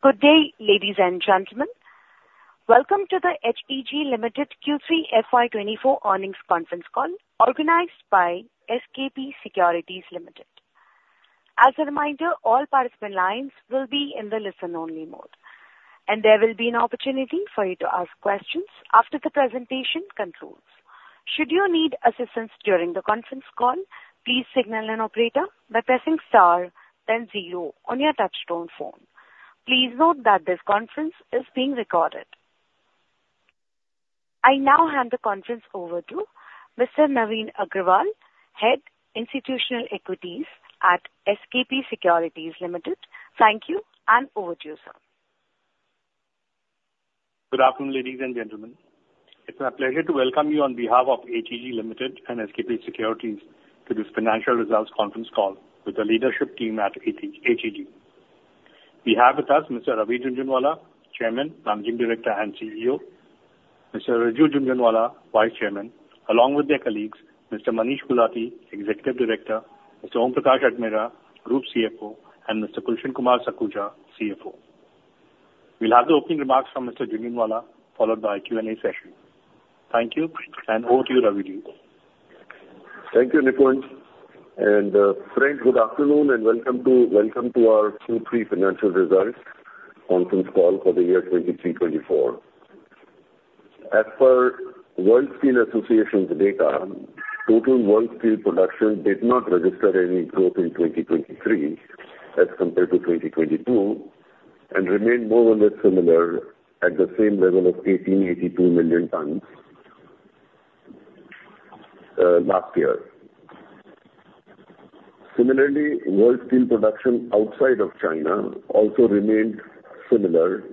Good day, ladies and gentlemen. Welcome to the HEG Limited Q3 FY 2024 Earnings Conference Call, organized by SKP Securities Limited. As a reminder, all participant lines will be in the listen-only mode, and there will be an opportunity for you to ask questions after the presentation concludes. Should you need assistance during the conference call, please signal an operator by pressing star then zero on your touchtone phone. Please note that this conference is being recorded. I now hand the conference over to Mr. Navin Agrawal, Head, Institutional Equities at SKP Securities Limited. Thank you, and over to you, sir. Good afternoon, ladies and gentlemen. It's my pleasure to welcome you on behalf of HEG Limited and SKP Securities to this financial results conference call with the leadership team at HEG, HEG. We have with us Mr. Ravi Jhunjhunwala, Chairman, Managing Director, and CEO, Mr. Riju Jhunjhunwala, Vice Chairman, along with their colleagues, Mr. Manish Gulati, Executive Director, Mr. Om Prakash Ajmera, Group CFO, and Mr. Gulshan Kumar Sakhuja, CFO. We'll have the opening remarks from Mr. Jhunjhunwala, followed by a Q&A session. Thank you, and over to you, Ravi ji. Thank you, Navin. Friends, good afternoon, and welcome to our Q3 Financial Results Conference Call for the year 2023-24. As per World Steel Association's data, total world steel production did not register any growth in 2023 as compared to 2022, and remained more or less similar at the same level of 1,882 million tons last year. Similarly, world steel production outside of China also remained similar,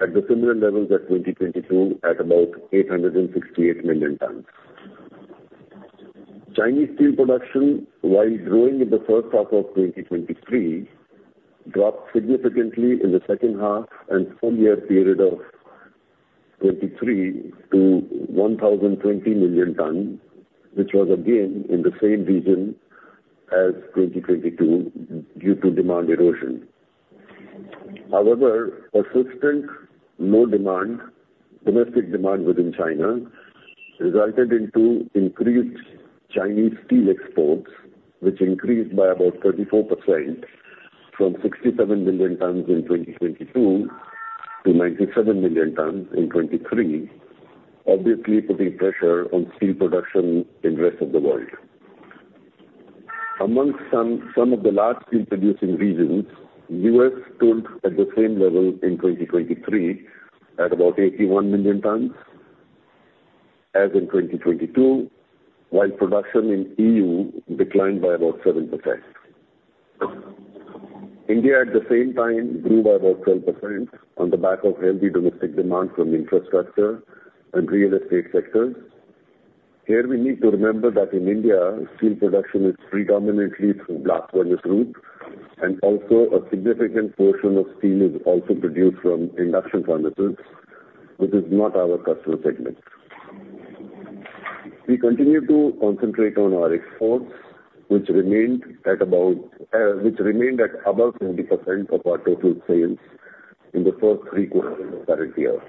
at the similar levels as 2022, at about 868 million tons. Chinese steel production, while growing in the first half of 2023, dropped significantly in the second half and full year period of 2023 to 1,020 million tons, which was again in the same region as 2022 due to demand erosion. However, persistent low demand, domestic demand within China, resulted into increased Chinese steel exports, which increased by about 34% from 67 million tons in 2022 to 97 million tons in 2023, obviously putting pressure on steel production in the rest of the world. Among some of the large steel-producing regions, U.S. stood at the same level in 2023 at about 81 million tons as in 2022, while production in E.U. declined by about 7%. India, at the same time, grew by about 12% on the back of healthy domestic demand from infrastructure and real estate sectors. Here, we need to remember that in India, steel production is predominantly through blast furnace route, and also a significant portion of steel is also produced from induction furnaces, which is not our customer segment. We continue to concentrate on our exports, which remained at about, which remained at above 70% of our total sales in the first three quarters of the current year.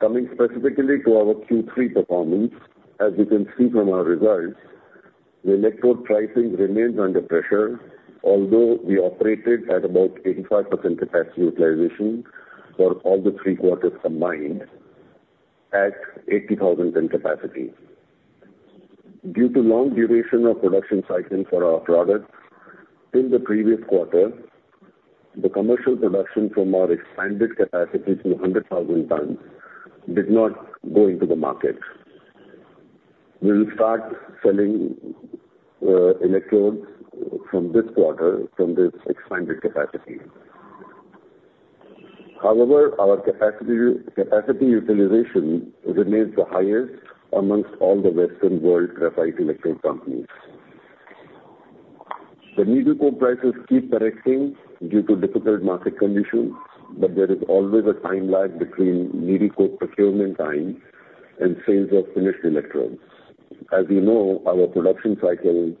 Coming specifically to our Q3 performance, as you can see from our results, the electrode pricing remains under pressure, although we operated at about 85% capacity utilization for all the three quarters combined at 80,000 ton capacity. Due to long duration of production cycles for our products in the previous quarter, the commercial production from our expanded capacity to 100,000 tons did not go into the market. We will start selling, electrodes from this quarter from this expanded capacity. However, our capacity utilization remains the highest among all the Western world graphite electrode companies. The Needle Coke prices keep correcting due to difficult market conditions, but there is always a time lag between Needle Coke procurement time and sales of finished electrodes. As you know, our production cycle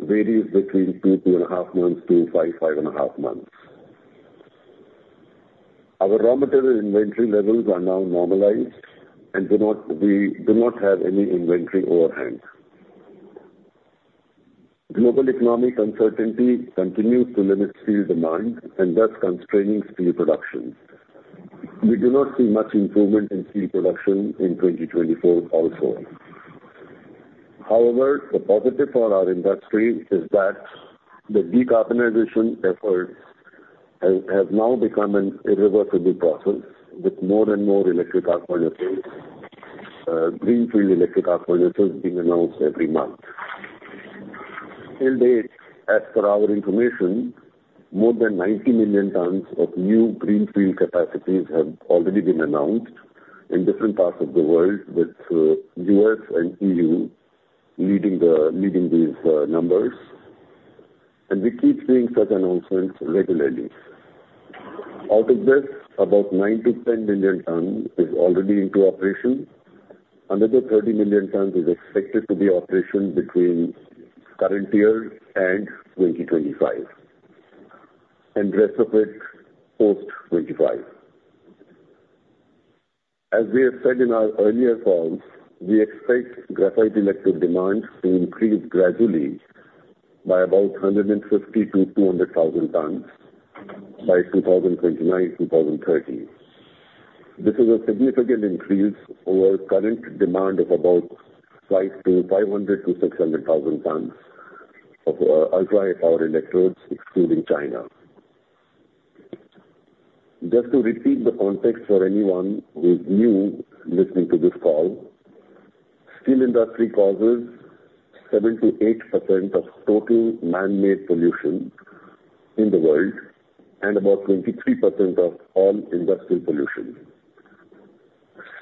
varies between 2-2.5 months to 5-5.5 months. Our raw material inventory levels are now normalized and do not have any inventory overhang. Global economic uncertainty continues to limit steel demand and thus constraining steel production. We do not see much improvement in steel production in 2024 also. However, the positive for our industry is that the deCarbonization efforts have now become an irreversible process with more and more electric arc furnaces, greenfield electric arc furnaces being announced every month. To date, as per our information, more than 90 million tons of new greenfield capacities have already been announced in different parts of the world, with U.S. and E.U. leading these numbers, and we keep seeing such announcements regularly. Out of this, about 9-10 million tons is already into operation. Another 30 million tons is expected to be operational between current year and 2025, and rest of it, post-2025. As we have said in our earlier calls, we expect graphite electrode demand to increase gradually by about 150,000-200,000 tons by 2029, 2030. This is a significant increase over current demand of about 500,000-600,000 tons of ultra-high-power electrodes, excluding China. Just to repeat the context for anyone who is new listening to this call, steel industry causes 7%-8% of total man-made pollution in the world, and about 23% of all industrial pollution.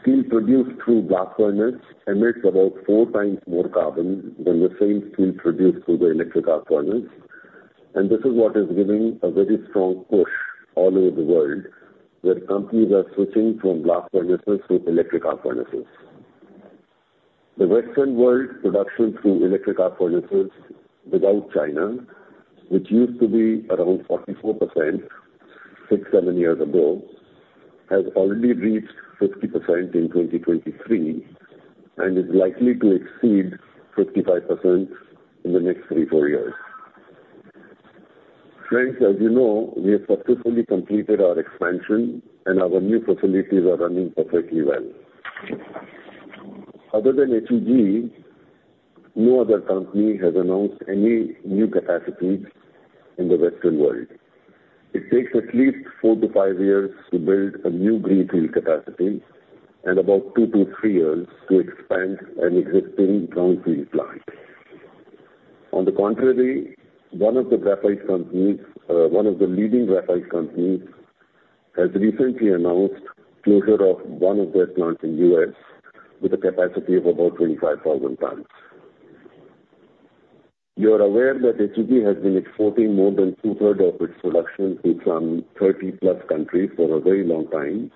Steel produced through blast furnace emits about 4x more Carbon than the same steel produced through the electric arc furnace, and this is what is giving a very strong push all over the world, where companies are switching from blast furnaces to electric arc furnaces. The Western world production through electric arc furnaces, without China, which used to be around 44%, six to seven years ago, has already reached 50% in 2023, and is likely to exceed 55% in the next three to four years. Friends, as you know, we have successfully completed our expansion, and our new facilities are running perfectly well. Other than HEG, no other company has announced any new capacities in the Western world. It takes at least four to five years to build a new greenfield capacity and about two to three years to expand an existing brownfield plant. On the contrary, one of the graphite companies, one of the leading graphite companies, has recently announced closure of one of their plants in U.S., with a capacity of about 25,000 tons. You're aware that HEG has been exporting more than two-thirds of its production to some 30+ countries for a very long time,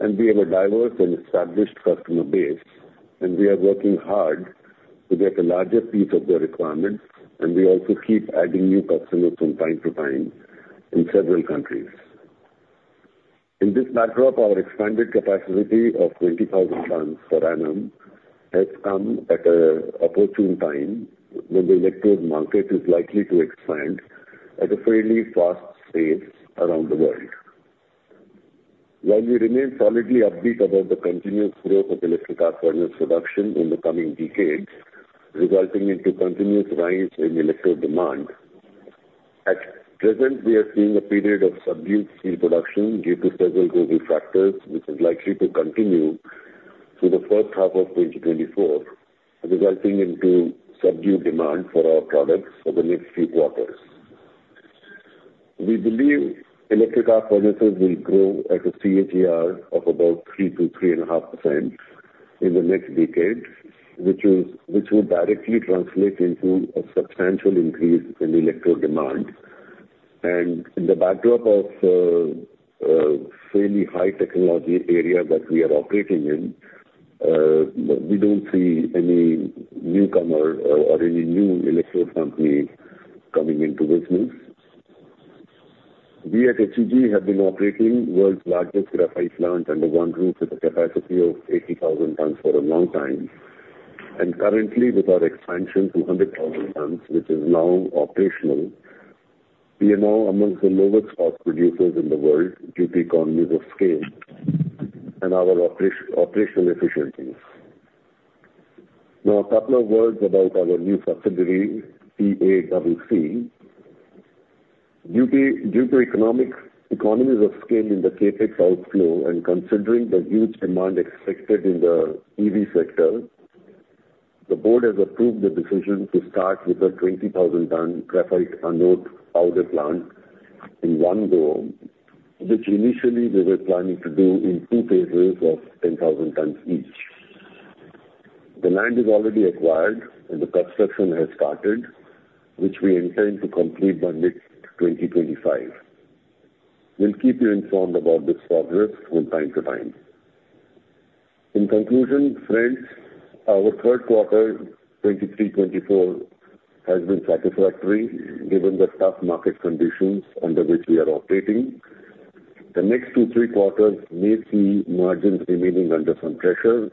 and we have a diverse and established customer base, and we are working hard to get a larger piece of their requirements, and we also keep adding new customers from time to time in several countries. In this backdrop, our expanded capacity of 20,000 tons per annum has come at an opportune time when the electrode market is likely to expand at a fairly fast pace around the world. While we remain solidly upbeat about the continuous growth of electric arc furnace production in the coming decades, resulting into continuous rise in electrode demand, at present, we are seeing a period of subdued steel production due to several global factors, which is likely to continue through the first half of 2024, resulting into subdued demand for our products for the next few quarters. We believe electric arc furnaces will grow at a CAGR of about 3%-3.5% in the next decade, which will directly translate into a substantial increase in the electrode demand. In the backdrop of a fairly high technology area that we are operating in, we don't see any newcomer or any new electrode company coming into business. We at HEG have been operating the world's largest graphite plant under one roof, with a capacity of 80,000 tons for a long time, and currently with our expansion to 100,000 tons, which is now operational, we are now amongst the lowest cost producers in the world due to economies of scale and our operational efficiencies. Now, a couple of words about our new subsidiary, TACC. Due to economies of scale in the CapEx outflow and considering the huge demand expected in the EV sector, the board has approved the decision to start with a 20,000-ton graphite anode powder plant in one go, which initially we were planning to do in two phases of 10,000 tons each. The land is already acquired, and the construction has started, which we intend to complete by mid-2025. We'll keep you informed about this progress from time to time. In conclusion, friends, our third quarter 2023-2024 has been satisfactory given the tough market conditions under which we are operating. The next two, three quarters may see margins remaining under some pressure,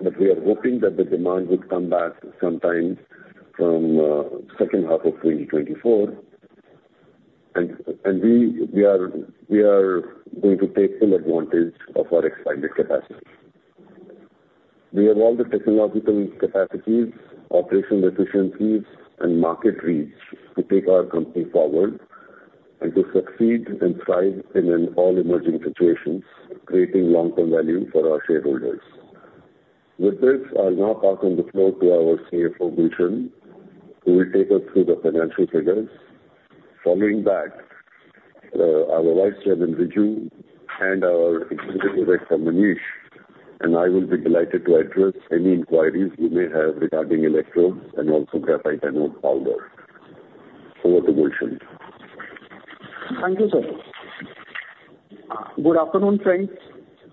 but we are hoping that the demand would come back sometime from second half of 2024, and we are going to take full advantage of our expanded capacity. We have all the technological capacities, operational efficiencies, and market reach to take our company forward and to succeed and thrive in all emerging situations, creating long-term value for our shareholders. With this, I'll now pass on the floor to our CFO, Gulshan, who will take us through the financial figures. Following that, our Vice Chairman, Riju, and our Executive Director, Manish, and I will be delighted to address any inquiries you may have regarding electrodes and also graphite anode powder. Over to Gulshan. Thank you, sir. Good afternoon, friends.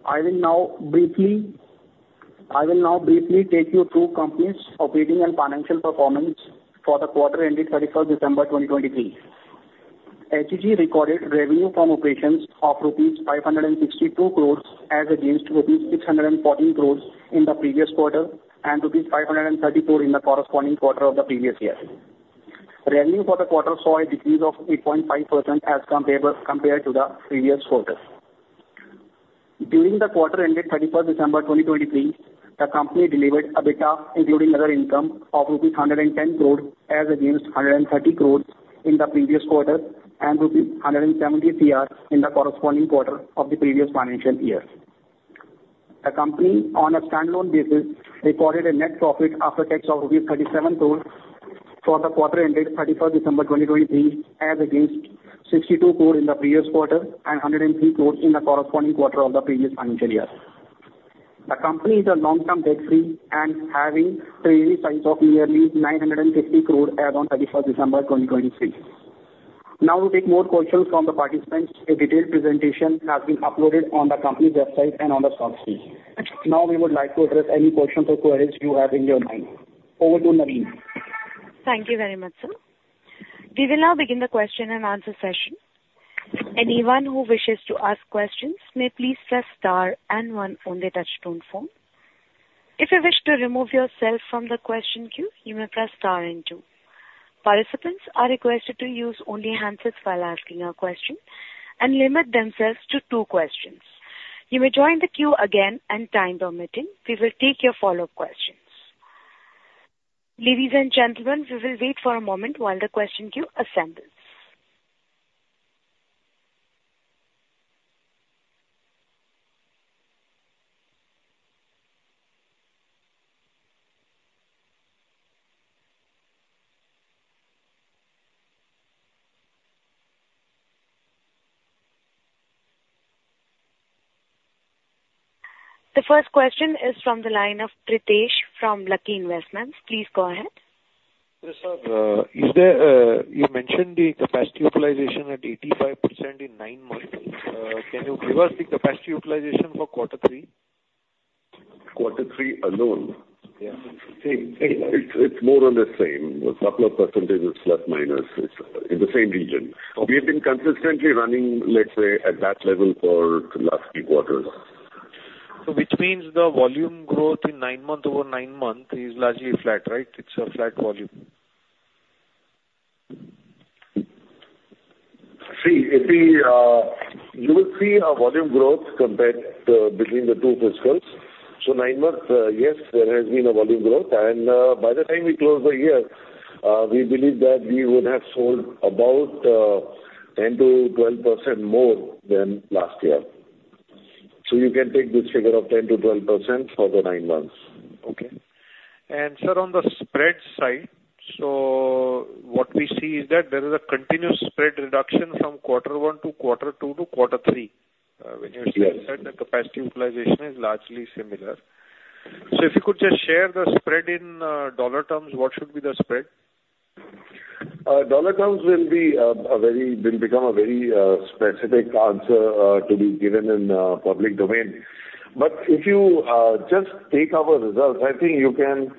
I will now briefly take you through the company's operating and financial performance for the quarter ending 31 December 2023. HEG recorded revenue from operations of rupees 562 crore, as against rupees 614 crore in the previous quarter, and rupees 534 crore in the corresponding quarter of the previous year. Revenue for the quarter saw a decrease of 8.5% compared to the previous quarter. During the quarter ending 31 December 2023, the company delivered EBITDA, including other income, of rupees 110 crore, as against 130 crore in the previous quarter, and rupees 173 crore in the corresponding quarter of the previous financial year. The company, on a standalone basis, recorded a net profit after tax of rupees 37 crore for the quarter ending 31 December 2023, as against 62 crore in the previous quarter and 103 crore in the corresponding quarter of the previous financial year. The company is a long-term debt-free and having a size of nearly 950 crore as on 31 December 2023. Now, we take more questions from the participants. A detailed presentation has been uploaded on the company website and on the stock exchange. Now, we would like to address any questions or queries you have in your mind. Over to Nadine. Thank you very much, sir. We will now begin the question and answer session. Anyone who wishes to ask questions may please press star and one on their touchtone phone. If you wish to remove yourself from the question queue, you may press star and two. Participants are requested to use only handsets while asking a question and limit themselves to two questions. You may join the queue again, and time permitting, we will take your follow-up questions. Ladies and gentlemen, we will wait for a moment while the question queue assembles. The first question is from the line of Pritesh from Lucky Investments. Please go ahead. Yes, sir, you mentioned the capacity utilization at 85% in nine months. Can you give us the capacity utilization for quarter three? Quarter three alone? Yeah. It's more or less the same. A couple of percentages, plus, minus. It's in the same region. Okay. We've been consistently running, let's say, at that level for the last few quarters. Which means the volume growth in nine months, over nine months, is largely flat, right? It's a flat volume. See, you see, you will see a volume growth compared between the two fiscals. So nine months, yes, there has been a volume growth, and, by the time we close the year, we believe that we would have sold about, 10%-12% more than last year. So you can take this figure of 10%-12% for the nine months. Okay. And sir, on the spread side, so what we see is that there is a continuous spread reduction from quarter one to quarter two to quarter three. Yes. When you said the capacity utilization is largely similar. So if you could just share the spread in dollar terms, what should be the spread? Dollar terms will be a very, will become a very specific answer to be given in the public domain. But if you just take our results, I think you can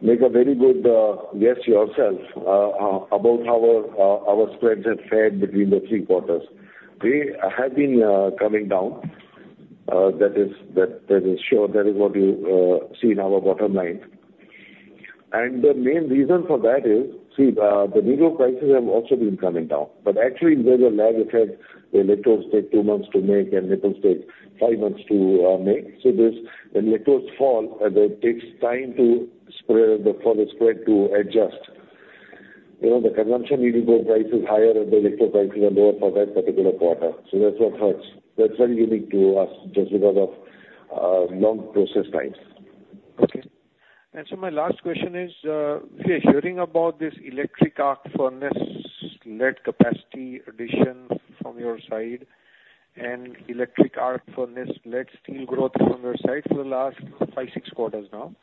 make a very good guess yourself about how our spreads have fared between the three quarters. They have been coming down, that is sure. That is what you see in our bottom line. And the main reason for that is, see, the raw material prices have also been coming down, but actually there's a lag effect. The electrodes take two months to make, and needle takes five months to make. So this, when electrodes fall, that takes time to spread, for the spread to adjust. You know, the consumption will go prices higher, and the electrode prices are lower for that particular quarter. So that's what hurts. That's very unique to us, just because of long process times. Okay. My last question is, we are hearing about this electric arc furnace-led capacity addition from your side, and electric arc furnace-led steel growth from your side for the last five, six quarters now.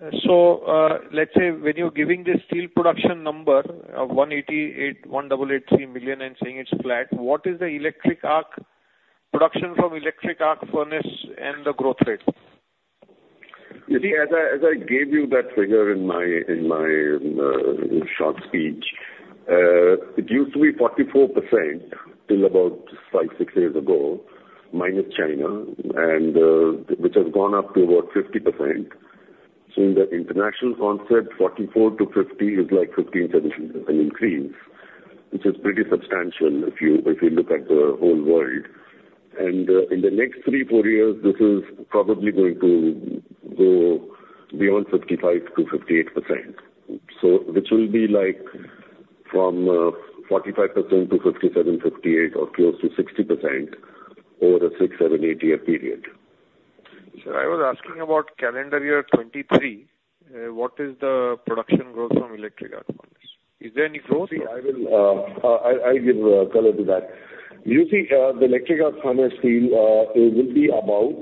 Let's say when you're giving the steel production number of 188.183 million and saying it's flat, what is the electric arc production from electric arc furnace and the growth rate? You see, as I, as I gave you that figure in my, in my, short speech, it used to be 44% till about five to six years ago, minus China, and, which has gone up to about 50%. So in the international concept, 44-50 is like 15-17% increase, which is pretty substantial if you, if you look at the whole world. And, in the next three, four years, this is probably going to go beyond 55-58%. So which will be like from, uh, 45% to 57-58% or close to 60% over a six, eight-year period. Sir, I was asking about calendar year 2023. What is the production growth from electric arc furnace? Is there any growth? See, I will give color to that. You see, the electric arc furnace steel, it will be about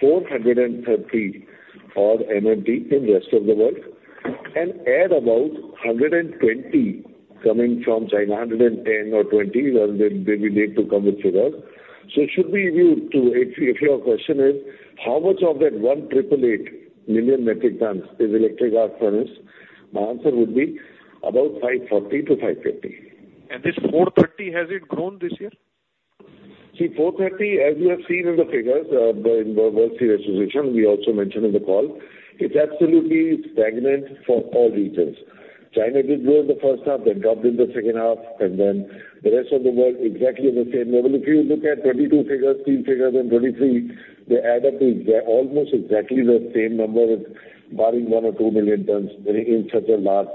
430 MMT in rest of the world, and add about 120 coming from China, 110 or 120, well, they will need to come with figures. So should we view to—if your question is: how much of that 1,888 million metric tons is electric arc furnace? My answer would be about 540-550. And this 430, has it grown this year? See, 430, as you have seen in the figures, the, in the World Steel Association, we also mentioned in the call, it's absolutely stagnant for all regions. China did grow in the first half, then dropped in the second half, and then the rest of the world, exactly the same level. If you look at 2022 figures, 2023 figures and 2023, they add up to almost exactly the same number as barring one or two million tons in such a large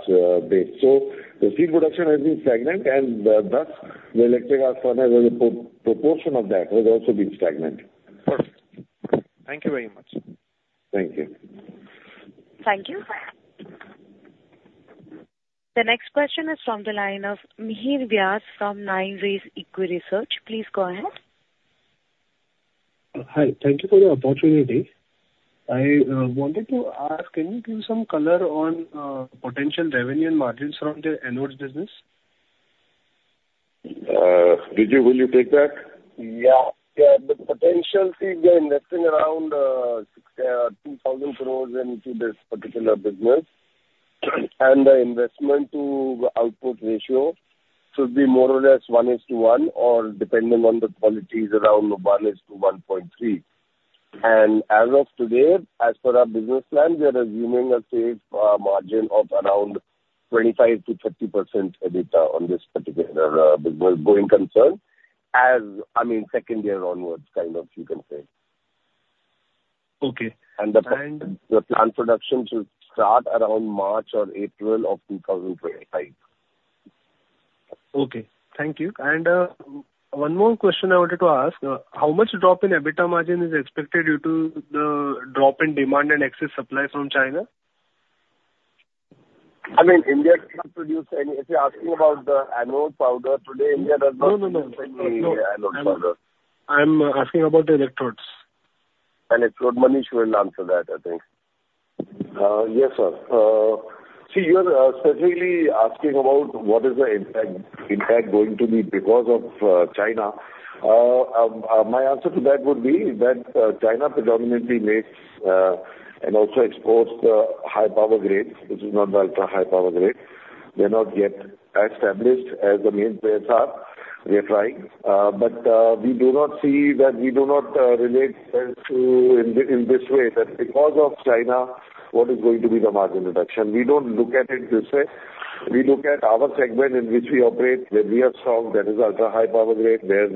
base. So the steel production has been stagnant, and thus, the electric arc furnace as a proportion of that has also been stagnant. Perfect. Thank you very much. Thank you. Thank you. The next question is from the line of Mihir Vyas from 9 Rays EquiResearch. Please go ahead. Hi. Thank you for the opportunity. I wanted to ask, can you give some color on potential revenue and margins from the anodes business? Vijay, will you take that? Yeah. Yeah, the potential, see, we are investing around 6,200 crore into this particular business. And the investment to output ratio should be more or less 1:1, or depending on the qualities, around 1:1.3. And as of today, as per our business plan, we are assuming a safe margin of around 25%-30% EBITDA on this particular business going concern, as, I mean, second year onwards, kind of, you can say. Okay. The planned production should start around March or April of 2025. Okay. Thank you. And one more question I wanted to ask: How much drop in EBITDA margin is expected due to the drop in demand and excess supply from China? I mean, India cannot produce any... If you're asking about the anode powder, today, India does not- No, no, no. Produce any anode powder. I'm asking about the electrodes. An electrode, Manish will answer that, I think. Yes, sir. See, you're specifically asking about what is the impact, impact going to be because of China. My answer to that would be that, China predominantly makes and also exports the high power grades, which is not the ultra-high power grade. They're not yet as established as the main players are. We are trying, but, we do not see that we do not relate as to in this way, that because of China, what is going to be the margin reduction? We don't look at it this way. We look at our segment in which we operate, where we are strong, that is ultra-high power grade, where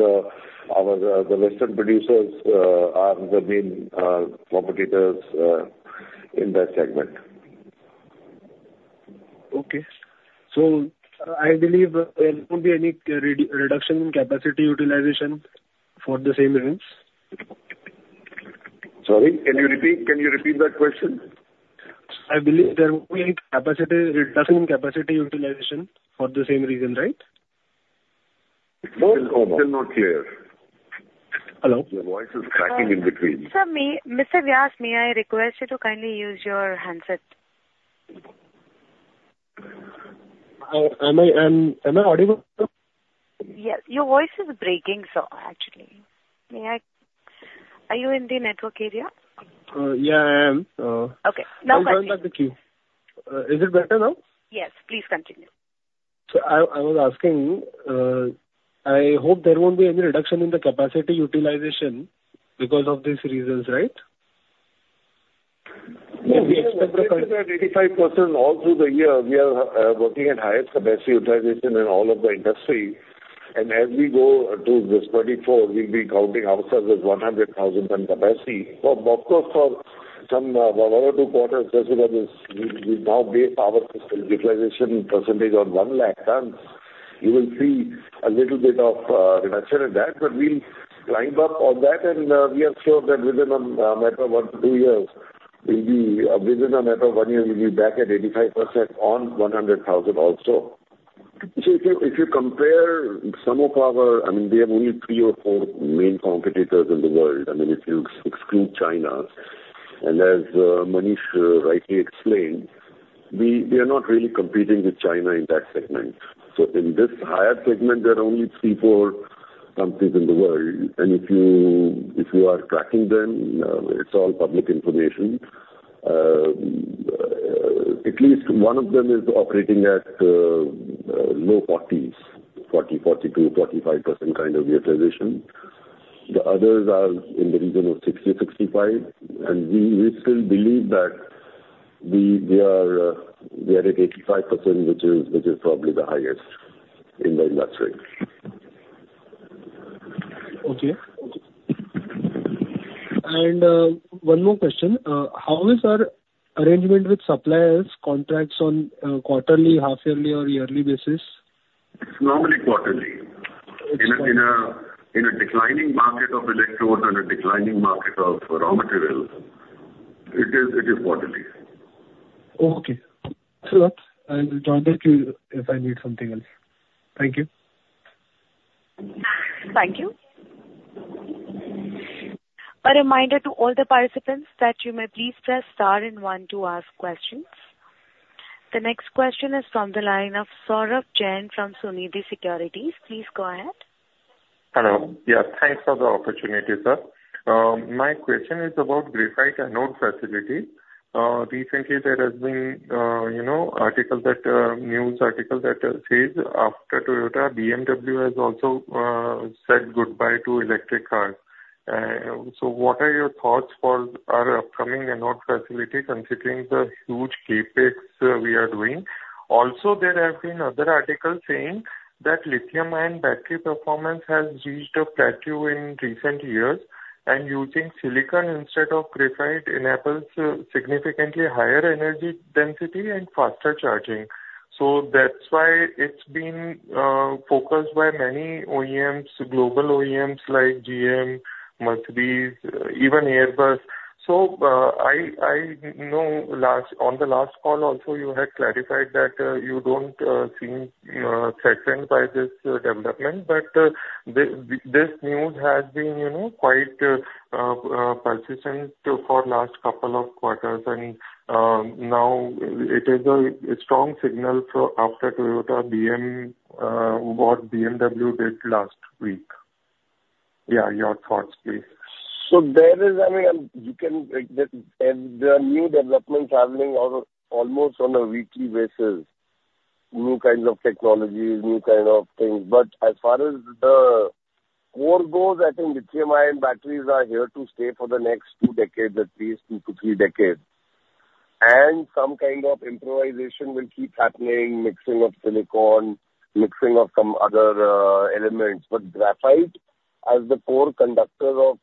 our western producers are the main competitors in that segment. Okay. So I believe there won't be any reduction in capacity utilization for the same reasons? Sorry, can you repeat, can you repeat that question? I believe there won't be any capacity reduction in capacity utilization for the same reason, right? Still not clear. Hello? Your voice is cracking in between. Sir, Mr. Vyas, may I request you to kindly use your handset? Am I audible, sir? Yeah. Your voice is breaking, sir, actually. May I... Are you in the network area? Yeah, I am. Okay, now- I'll join back the queue. Is it better now? Yes. Please continue. I was asking, I hope there won't be any reduction in the capacity utilization because of these reasons, right? 85% all through the year, we are working at highest capacity utilization in all of the industry. And as we go into this 2024, we'll be counting ourselves as 100,000 ton capacity. But of course, for some one or two quarters, just because we now base our utilization percentage on 100,000 tons, you will see a little bit of reduction in that. But we'll climb up on that, and we are sure that within a matter of one to two years, we'll be within a matter of one year, we'll be back at 85% on 100,000 also. So if you compare some of our... I mean, we have only three or four main competitors in the world, I mean, if you exclude China. As Manish rightly explained, we are not really competing with China in that segment. In this higher segment, there are only three, four companies in the world. If you are tracking them, it's all public information. At least one of them is operating at low 40s, 40, 42, 45% kind of utilization. The others are in the region of 60-65. We still believe that we are at 85%, which is probably the highest in the industry. Okay. One more question. How is our arrangement with suppliers contracts on quarterly, half yearly or yearly basis? It's normally quarterly. It's- In a declining market of electrodes and a declining market of raw materials, it is quarterly. Okay. So I will join the queue if I need something else. Thank you. Thank you. A reminder to all the participants that you may please press star and one to ask questions. The next question is from the line of Saurabh Jain from Sunidhi Securities. Please go ahead. Hello. Yeah, thanks for the opportunity, sir. My question is about graphite anode facility. Recently, there has been, you know, article that, news article that, says after Toyota, BMW has also, said goodbye to electric cars. So what are your thoughts for our upcoming anode facility, considering the huge CapEx, we are doing? Also, there have been other articles saying that Lithium-ion battery performance has reached a plateau in recent years, and using silicon instead of graphite enables, significantly higher energy density and faster charging. So that's why it's been, focused by many OEMs, global OEMs like GM, Mercedes, even Airbus. So, I know on the last call also, you had clarified that you don't seem threatened by this development, but this news has been, you know, quite persistent for last couple of quarters. And now it is a strong signal for after Toyota, BMW, what BMW did last week. Yeah, your thoughts, please. So there is, I mean, you can, like, there are new developments happening almost on a weekly basis, new kinds of technologies, new kind of things. But as far as the core goes, I think Lithium-ion batteries are here to stay for the next two decades, at least two, three decades. And some kind of improvisation will keep happening, mixing of silicon, mixing of some other elements. But graphite, as the core conductor of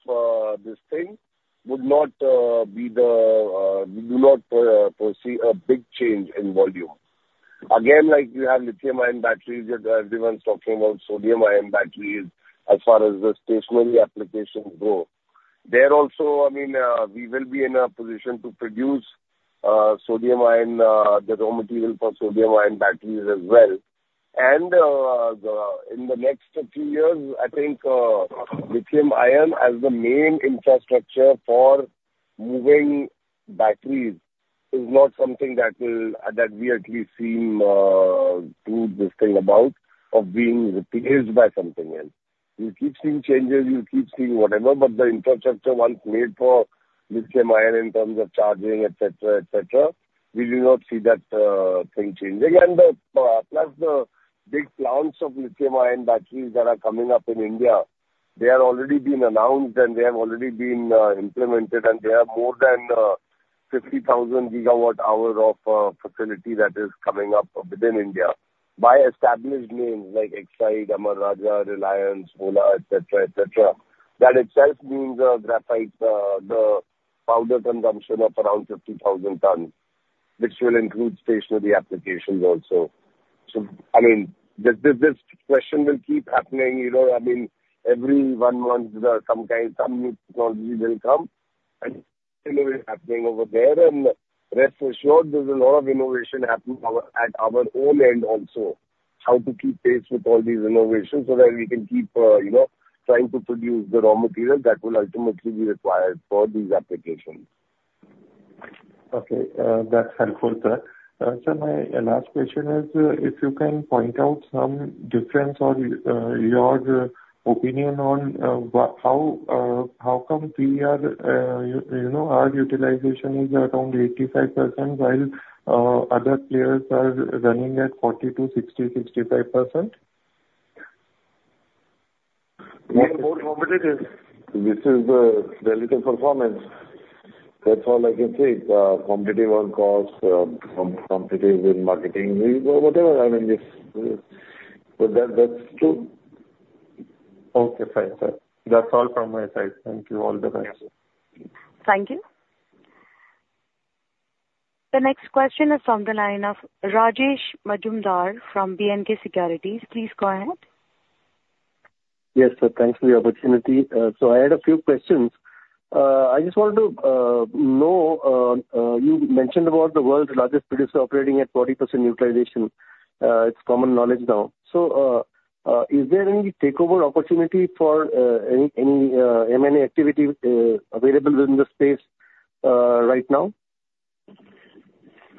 this thing, we do not foresee a big change in volume. Again, like you have Lithium-ion batteries, everyone's talking about Sodium-ion batteries as far as the stationary applications go. There also, I mean, we will be in a position to produce Sodium-ion, the raw material for Sodium-ion batteries as well. In the next few years, I think, Lithium-ion as the main infrastructure for moving batteries is not something that will, that we at least seem too distinct about, of being replaced by something else. You keep seeing changes, you keep seeing whatever, but the infrastructure once made for Lithium-ion, in terms of charging, et cetera, et cetera, we do not see that thing changing. Plus the big plants of Lithium-ion batteries that are coming up in India, they have already been announced, and they have already been implemented, and they are more than 50,000 GWhs of facility that is coming up within India by established names like Exide, Amara Raja, Reliance, Ola, et cetera, et cetera. That itself means a graphite powder consumption of around 50,000 tons, which will include stationary applications also. So, I mean, this, this, this question will keep happening, you know, I mean, every one month, some kind, some new technology will come, and it's happening over there. And rest assured, there's a lot of innovation happening at our own end also, how to keep pace with all these innovations so that we can keep, you know, trying to produce the raw material that will ultimately be required for these applications. Okay, that's helpful, sir. Sir, my last question is, if you can point out some difference or your opinion on how come we are, you know, our utilization is around 85%, while other players are running at 40%-65%? We are more competitive. This is relative performance. That's all I can say. It's competitive on costs, competitive in marketing. Whatever, I mean, this, but that, that's true. Okay, fine, sir. That's all from my side. Thank you. All the best. Thank you. The next question is from the line of Rajesh Majumdar from B & K Securities. Please go ahead. Yes, sir. Thanks for the opportunity. So I had a few questions. I just wanted to know, you mentioned about the world's largest producer operating at 40% utilization. It's common knowledge now. So, is there any takeover opportunity for any M&A activity available in the space right now?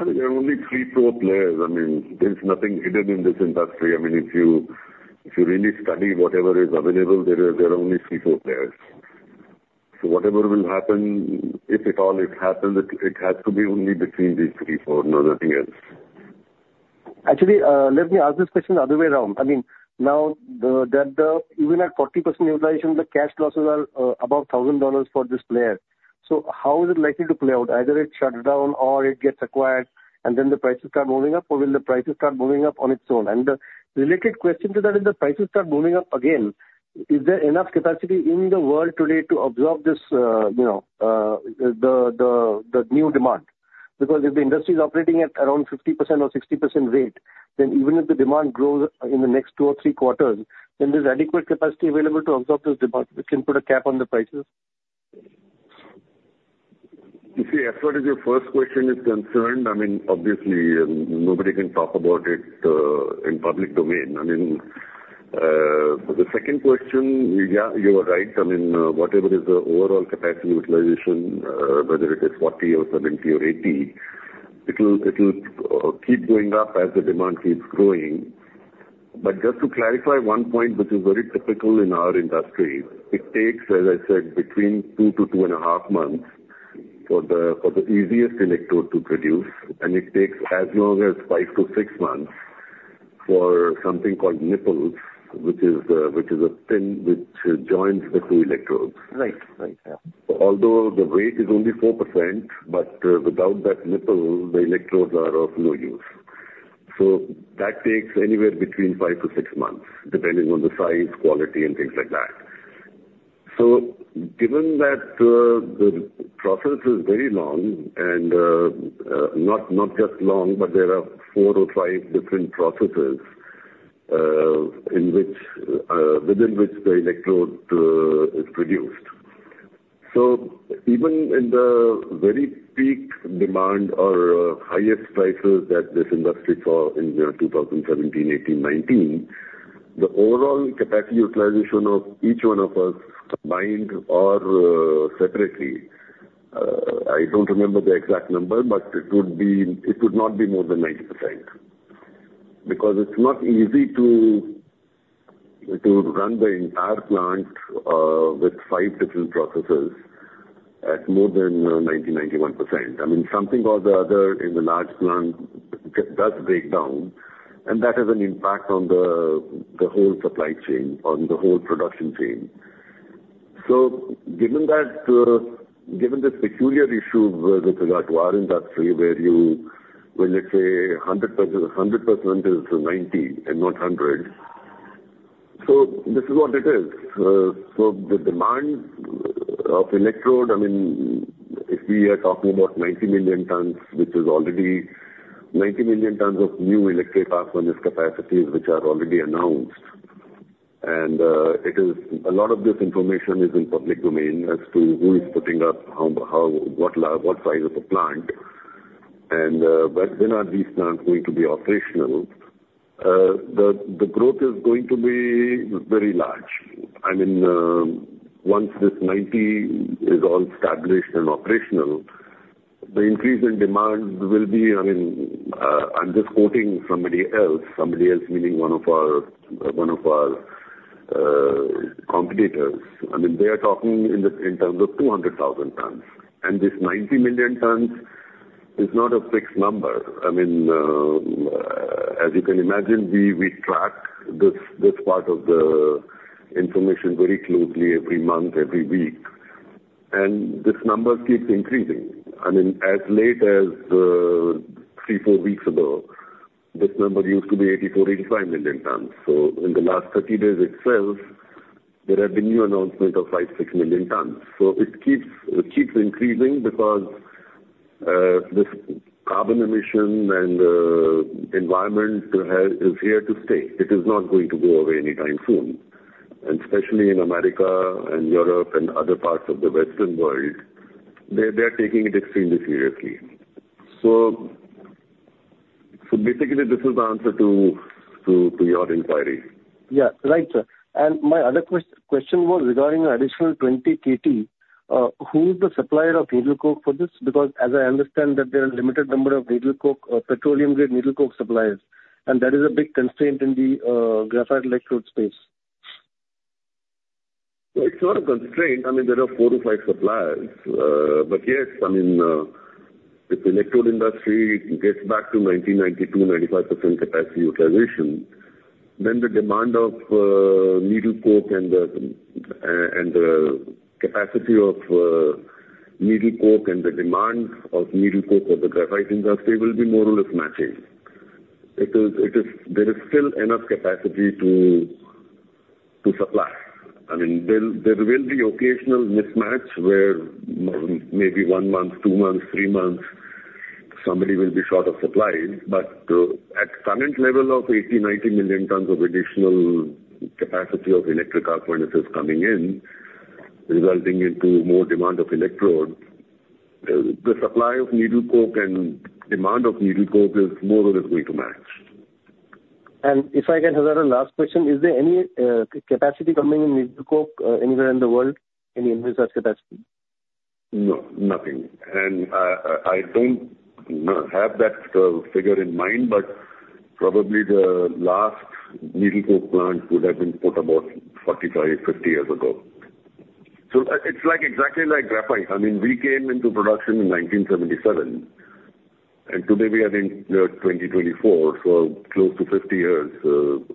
There are only three core players. I mean, there's nothing hidden in this industry. I mean, if you, if you really study whatever is available, there are, there are only three, four players. So whatever will happen, if at all it happens, it, it has to be only between these three, four, no nothing else. Actually, let me ask this question the other way around. I mean, now even at 40% utilization, the cash flows are above $1,000 for this player. So how is it likely to play out? Either it shut down or it gets acquired, and then the prices start moving up, or will the prices start moving up on its own? And the related question to that, if the prices start moving up again, is there enough capacity in the world today to absorb this, you know, the new demand? Because if the industry is operating at around 50% or 60% rate, then even if the demand grows in the next two or three quarters, then there's adequate capacity available to absorb this demand, which can put a cap on the prices. You see, as far as your first question is concerned, I mean, obviously, nobody can talk about it in public domain. I mean, the second question, yeah, you are right. I mean, whatever is the overall capacity utilization, whether it is 40 or 70 or 80, it will, it will, keep going up as the demand keeps growing. But just to clarify one point, which is very typical in our industry, it takes, as I said, between two to two and a half months for the, for the easiest electrode to produce, and it takes as long as five to six months for something called nipples, which is, which is a pin which joins the two electrodes. Right. Right. Yeah. Although the weight is only 4%, but without that nipple, the electrodes are of no use. So that takes anywhere between five to six months, depending on the size, quality, and things like that. So given that, the process is very long and not just long, but there are four or five different processes in which, within which the electrode is produced. So even in the very peak demand or highest prices that this industry saw in the 2017, 2018, 2019, the overall capacity utilization of each one of us, combined or separately, I don't remember the exact number, but it would not be more than 90%. Because it's not easy to run the entire plant with five different processes at more than 90%-91%. I mean, something or the other in the large plant does break down, and that has an impact on the, the whole supply chain, on the whole production chain. So given that, given this peculiar issue with the graphite electrode industry, where, let's say 100%, 100% is 90% and not 100%, so this is what it is. So the demand of electrode, I mean, if we are talking about 90 million tons, which is already 90 million tons of new Electric Arc Furnace capacities, which are already announced, and it is a lot of this information is in public domain as to who is putting up, how, what size of the plant and, but when are these plants going to be operational? The growth is going to be very large. I mean, once this 90 is all established and operational, the increase in demand will be, I mean, I'm just quoting somebody else, somebody else meaning one of our, one of our, competitors. I mean, they are talking in the, in terms of 200,000 tons. This 90 million tons is not a fixed number. I mean, as you can imagine, we, we track this, this part of the information very closely every month, every week, and this number keeps increasing. I mean, as late as three, four weeks ago, this number used to be 84-85 million tons. So in the last 30 days itself, there have been new announcement of 5-6 million tons. So it keeps, it keeps increasing because this Carbon emission and environment is here to stay. It is not going to go away anytime soon. And especially in America and Europe and other parts of the Western world, they are taking it extremely seriously. So basically, this is the answer to your inquiry. Yeah, right, sir. And my other question was regarding additional 20 KT. Who is the supplier of Needle Coke for this? Because as I understand that there are limited number of Needle Coke, petroleum-grade Needle Coke suppliers, and that is a big constraint in the graphite electrode space. It's not a constraint. I mean, there are four, five suppliers. But yes, I mean, if the electrode industry gets back to 1992, 95% capacity utilization, then the demand of needle coke and the capacity of needle coke and the demand of needle coke for the graphite industry will be more or less matching. It is. There is still enough capacity to supply. I mean, there will be occasional mismatch, where maybe one month, two months, three months, somebody will be short of supply. But at current level of 80-90 million tons of additional capacity of electric arc furnaces coming in, resulting into more demand of electrodes, the supply of needle coke and demand of needle coke is more or less going to match. If I can add a last question, is there any capacity coming in Needle Coke anywhere in the world, any investment capacity? No, nothing. I don't have that figure in mind, but probably the last Needle Coke plant would have been put about 45-50 years ago. So it's like, exactly like graphite. I mean, we came into production in 1977, and today we are in 2024, so close to 50 years,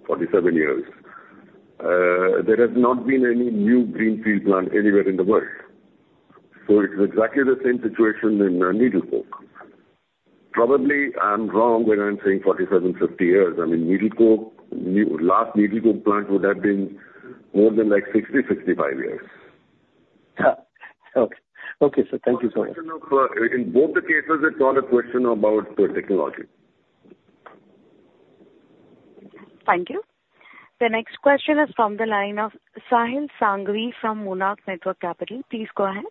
47 years. There has not been any new greenfield plant anywhere in the world. So it's exactly the same situation in Needle Coke. Probably I'm wrong when I'm saying 47-50 years. I mean, Needle Coke, last Needle Coke plant would have been more than, like, 60-65 years. Yeah. Okay. Okay, sir. Thank you so much. In both the cases, it's not a question about the technology. Thank you. The next question is from the line of Sahil Sanghvi from Monarch Networth Capital. Please go ahead.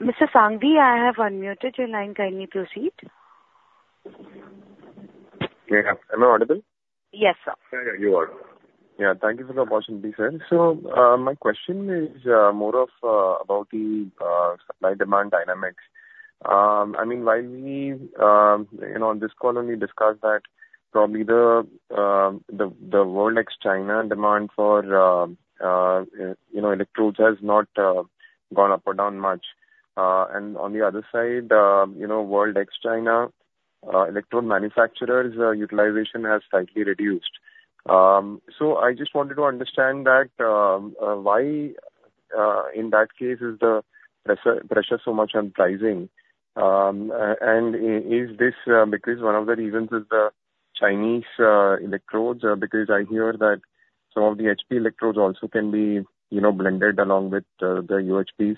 Mr. Sanghvi, I have unmuted your line. Kindly proceed. Yeah. Am I audible? Yes, sir. Yeah, you are. Yeah, thank you for the opportunity, sir. So, my question is more of about the supply-demand dynamics. I mean, while we, you know, on this call only discussed that probably the world ex-China demand for, you know, electrodes has not gone up or down much. And on the other side, you know, world ex-China electrode manufacturers' utilization has slightly reduced. So I just wanted to understand that why in that case is the pressure so much on pricing? And is this because one of the reasons is the Chinese electrodes? Because I hear that some of the HP electrodes also can be, you know, blended along with the UHPs.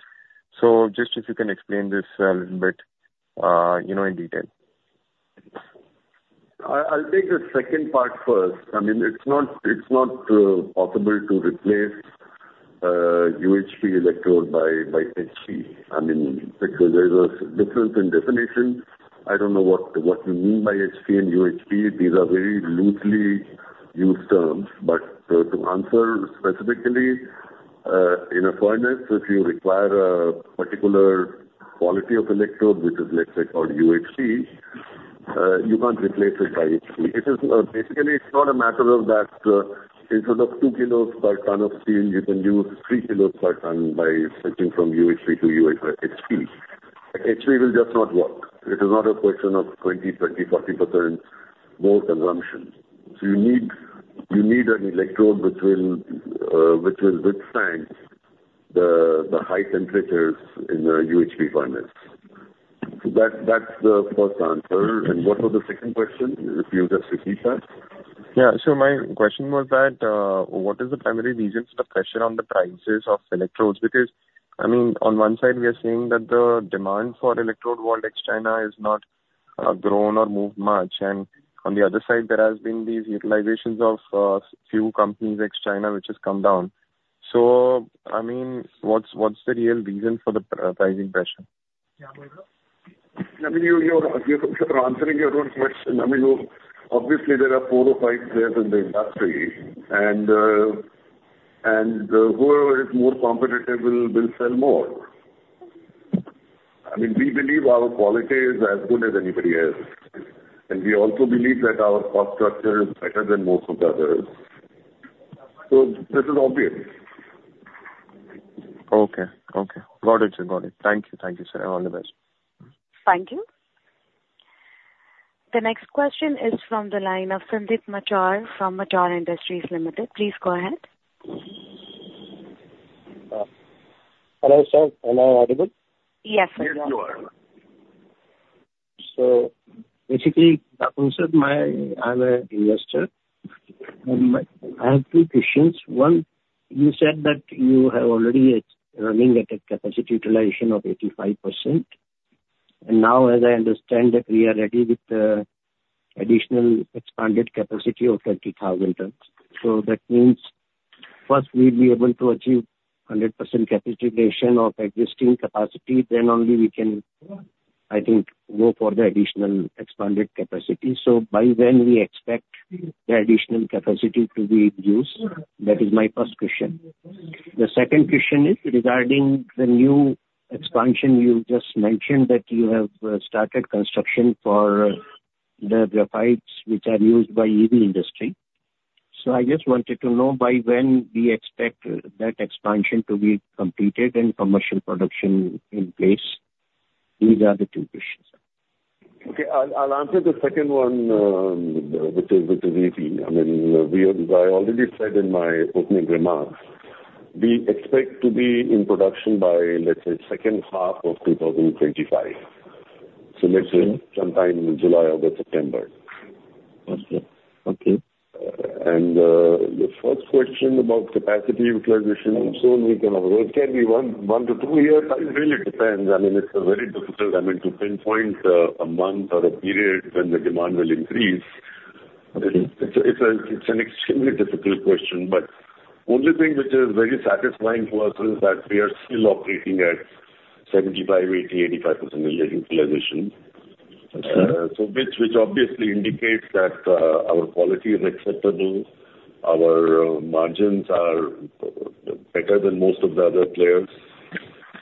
So, just if you can explain this a little bit, you know, in detail. I'll take the second part first. I mean, it's not possible to replace UHP electrode by HP. I mean, because there is a difference in definition. I don't know what you mean by HP and UHP. These are very loosely used terms. But to answer specifically, in a furnace, if you require a particular quality of electrode, which is, let's say, called UHP, you can't replace it by HP. It is basically, it's not a matter of that, instead of 2 kg per ton of steel, you can use 3 kg per ton by switching from UHP to HP. HP will just not work. It is not a question of 20%, 30%, 40% more consumption. So you need an electrode which will withstand the high temperatures in the UHP furnace. So that, that's the first answer. What was the second question? You repeated that? Yeah. So my question was that, what is the primary reason for the pressure on the prices of electrodes? Because, I mean, on one side we are seeing that the demand for electrode world ex-China has not grown or moved much, and on the other side, there has been these utilizations of few companies ex-China, which has come down. So, I mean, what's the real reason for the pricing pressure? I mean, you're answering your own question. I mean, obviously, there are four or five players in the industry, and whoever is more competitive will sell more. I mean, we believe our quality is as good as anybody else's, and we also believe that our cost structure is better than most of the others. So this is obvious. Okay. Okay. Got it, sir. Got it. Thank you. Thank you, sir, and all the best. Thank you. The next question is from the line of Sandeep Macchar, from Macchar Industries Limited. Please go ahead. Hello, sir. Am I audible? Yes, sir. Yes, you are. So basically, in short, my... I'm a investor. I have two questions. One, you said that you are already at, running at a capacity utilization of 85%. And now, as I understand it, we are ready with the additional expanded capacity of 30,000 tons. So that means, first we'll be able to achieve 100% capacity utilization of existing capacity, then only we can, I think, go for the additional expanded capacity. So by when we expect the additional capacity to be used? That is my first question. The second question is regarding the new expansion. You just mentioned that you have started construction for the graphites, which are used by EV industry. So I just wanted to know by when we expect that expansion to be completed and commercial production in place. These are the two questions. Okay, I'll answer the second one, which is EV. I mean, I already said in my opening remarks, we expect to be in production by, let's say, second half of 2025. So let's say sometime in July, August, September. Okay, okay. The first question about capacity utilization, so we can, it can be one to two years. It really depends. I mean, it's a very difficult, I mean, to pinpoint a month or a period when the demand will increase. Okay. It's an extremely difficult question, but only thing which is very satisfying for us is that we are still operating at 75, 80, 85% utilization. Okay. So which obviously indicates that our quality is acceptable, our margins are better than most of the other players,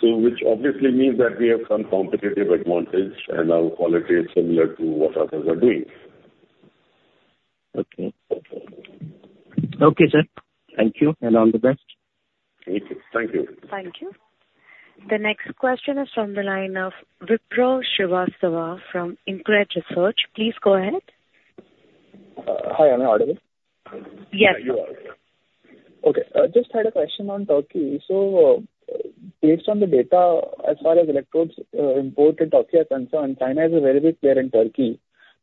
so which obviously means that we have some competitive advantage and our quality is similar to what others are doing. Okay. Okay, sir. Thank you, and all the best. Thank you. Thank you. Thank you. The next question is from the line of Vipul Shrivastava from InCred Research. Please go ahead. Hi, am I audible? Yes. You are. Okay. I just had a question on Turkey. So based on the data, as far as electrodes, imported Turkey are concerned, China is a very big player in Turkey.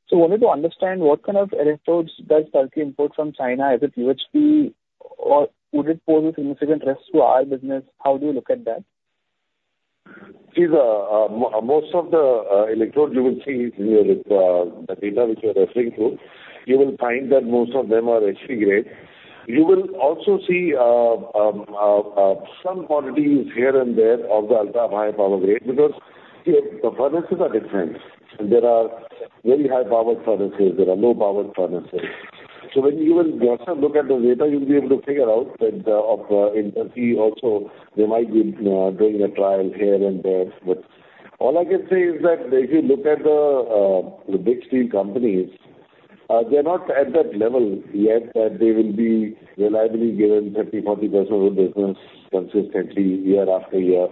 So I wanted to understand what kind of electrodes does Turkey import from China? Is it UHP, or would it pose a significant risk to our business? How do you look at that? See the most of the electrodes you will see here with the data which you are referring to, you will find that most of them are HP grade. You will also see some quantities here and there of the ultra high power grade, because the furnaces are different, and there are very high power furnaces, there are low power furnaces. So when you will also look at the data, you'll be able to figure out that there might be doing a trial here and there. But all I can say is that if you look at the big steel companies, they're not at that level yet, that they will be reliably giving 30, 40% of the business consistently year after year.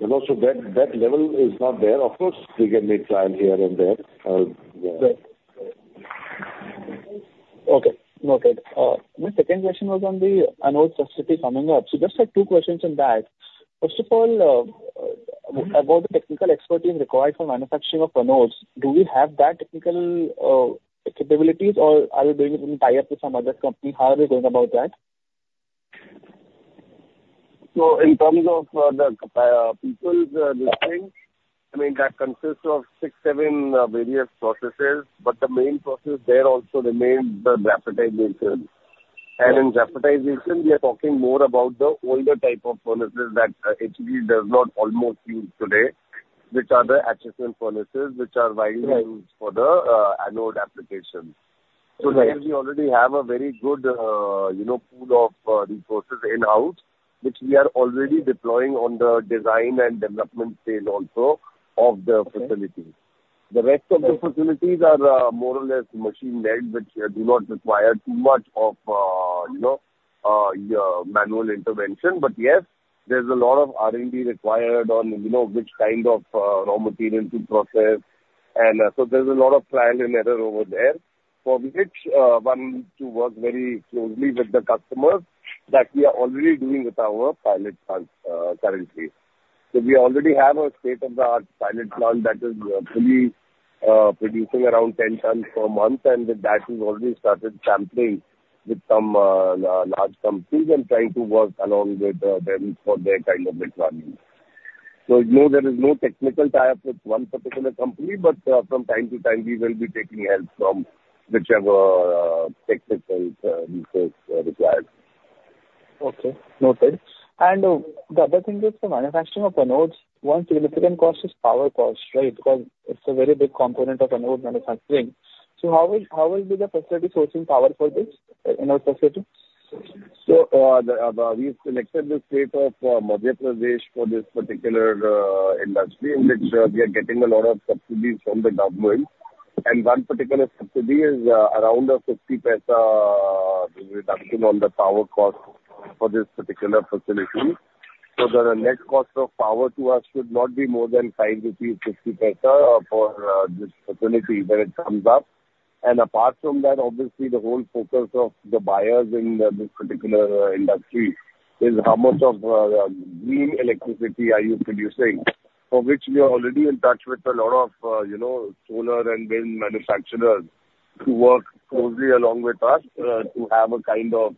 You know, so that level is not there. Of course, they can make trial here and there, yeah. Okay. Noted. My second question was on the anode facility coming up. So just have two questions on that. First of all, about the technical expertise required for manufacturing of anodes. Do we have that technical capabilities, or are we doing it in tie-up with some other company? How are we going about that? So in terms of the people this thing, I mean, that consists of six, seven various processes, but the main process there also remains the graphitization. In graphitization, we are talking more about the older type of furnaces that HEG does not almost use today, which are the Acheson furnaces which are widely used. Right. -for the, anode applications. Right. Here we already have a very good, you know, pool of resources in-house, which we are already deploying on the design and development stage also of the facility. Okay. The rest of the facilities are, more or less machine-led, which, do not require too much of, you know, yeah, manual intervention. But yes, there's a lot of R&D required on, you know, which kind of, raw material to process, and, so there's a lot of trial and error over there, for which, one needs to work very closely with the customers, that we are already doing with our pilot plant, currently. So we already have a state-of-the-art pilot plant that is, fully, producing around 10 tons per month, and that has already started sampling with some, large companies and trying to work along with, them for their kind of requirements. So no, there is no technical tie-up with one particular company, but from time to time, we will be taking help from whichever technical resources are required. Okay, noted. And the other thing is the manufacturing of anodes, one significant cost is power cost, right? Because it's a very big component of anode manufacturing. So how will the facility be sourcing power for this anode facility? So, we've selected the state of Madhya Pradesh for this particular industry, in which we are getting a lot of subsidies from the government. And one particular subsidy is around a 0.50 reduction on the power cost for this particular facility. So the net cost of power to us should not be more than 5.50 rupees for this facility when it comes up. And apart from that, obviously, the whole focus of the buyers in this particular industry is how much of green electricity are you producing? For which we are already in touch with a lot of, you know, solar and wind manufacturers to work closely along with us, to have a kind of,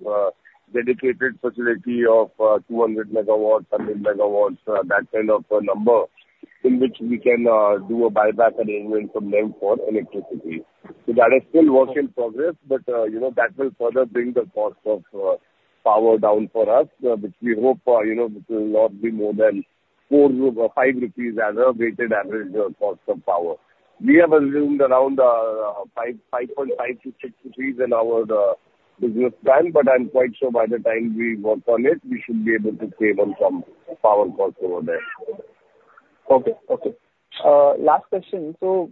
dedicated facility of, 200 MW, 100 MW, that kind of a number, in which we can, do a buyback arrangement with them for electricity. So that is still work in progress, but, you know, that will further bring the cost of, power down for us, which we hope, you know, this will not be more than 4 or 5 rupees as a weighted average cost of power. We have assumed around, 5, 5.5, 6 rupees in our, business plan, but I'm quite sure by the time we work on it, we should be able to save on some power costs over there. Okay. Okay. Last question: so,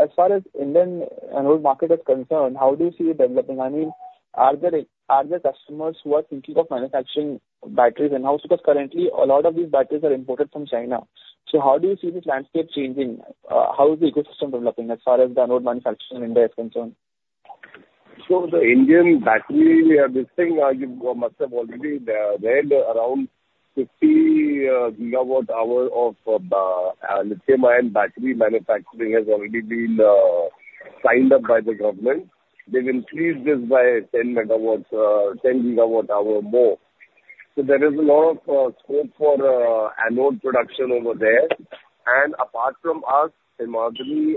as far as Indian anode market is concerned, how do you see it developing? I mean, are there, are there customers who are thinking of manufacturing batteries in-house? Because currently a lot of these batteries are imported from China. So how do you see this landscape changing? How is the ecosystem developing as far as the anode manufacturing in India is concerned? So the Indian battery we are missing, you must have already read around GWh of Lithium-ion battery manufacturing has already been signed up by the government. They will increase this by 10 MW, 10 GWh more. So there is a lot of scope for anode production over there. And apart from us and Himadri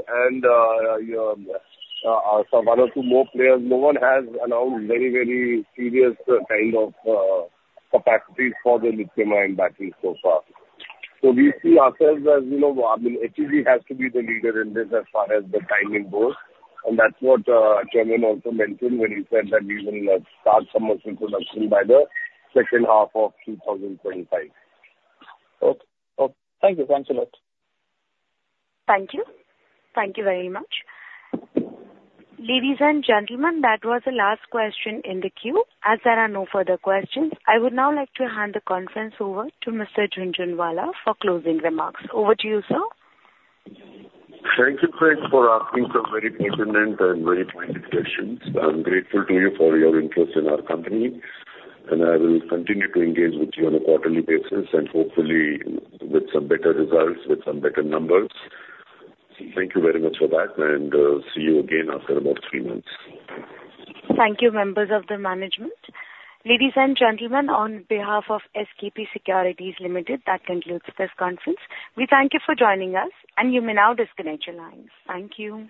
and some one or two more players, no one has announced very, very serious kind of capacities for the Lithium-ion battery so far. So we see ourselves as, you know, I mean, HEG has to be the leader in this as far as the timing goes, and that's what Chairman also mentioned when he said that we will start commercial production by the second half of 2025. Okay. Okay, thank you. Thanks a lot. Thank you. Thank you very much. Ladies and gentlemen, that was the last question in the queue. As there are no further questions, I would now like to hand the conference over to Mr. Jhunjhunwala for closing remarks. Over to you, sir. Thank you, friends, for asking some very pertinent and very pointed questions. I'm grateful to you for your interest in our company, and I will continue to engage with you on a quarterly basis, and hopefully with some better results, with some better numbers. Thank you very much for that, and see you again after about three months. Thank you, members of the management. Ladies and gentlemen, on behalf of SKP Securities Limited, that concludes this conference. We thank you for joining us, and you may now disconnect your lines. Thank you.